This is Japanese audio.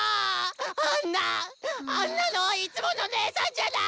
あんなあんなのっいつもの姐さんじゃない！